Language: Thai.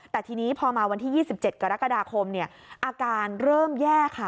แต่ทีนี้พอมาวันที่๒๗กรกฎาคมอาการเริ่มแย่ค่ะ